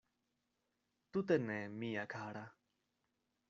Tute ne, mia kara.